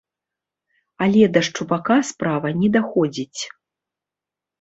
Але да шчупака справа не даходзіць.